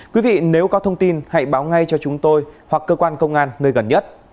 quý vị nếu có thông tin hãy báo ngay cho chúng tôi hoặc cơ quan công an nơi gần nhất